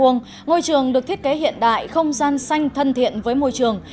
ngôi trường được thiết kế hiện đại không gian xanh thân thiện với môi trường